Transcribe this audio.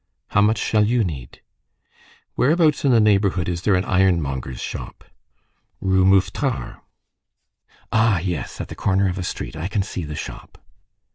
"How much shall you need?" "Whereabouts in the neighborhood is there an ironmonger's shop?" "Rue Mouffetard." "Ah! yes, at the corner of a street; I can see the shop."